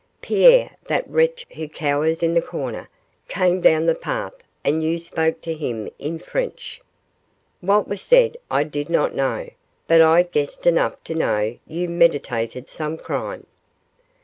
Pierre that wretch who cowers in the corner came down the path and you spoke to him in French. What was said I did not know, but I guessed enough to know you meditated some crime.